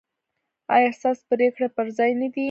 ایا ستاسو پریکړې پر ځای نه دي؟